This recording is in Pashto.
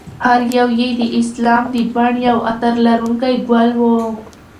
هر یو یې د اسلام د بڼ یو عطر لرونکی ګل و.